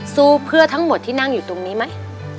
สู้เพื่อทั้งหมดที่นั่งอยู่ตรงนี้ไหม